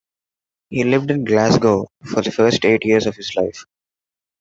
He lived in Glasgow for the first eight years of his life.